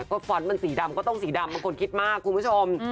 ก็ฟ้อนต์มันสีดำก็ต้องสีดำบางคนคิดมากคุณผู้ชม